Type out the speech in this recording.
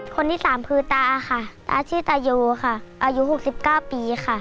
คนที่สามคือตาค่ะตาชื่อตาโยค่ะอายุ๖๙ปีค่ะ